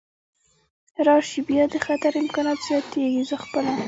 راشي، بیا د خطر امکانات زیاتېږي، زه خپله.